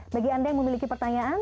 bagi anda yang memiliki pertanyaan